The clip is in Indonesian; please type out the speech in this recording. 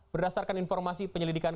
berdasarkan informasi penyelidikan